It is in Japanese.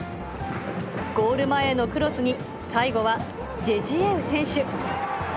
ゴール前へのクロスに、最後はジェジエウ選手。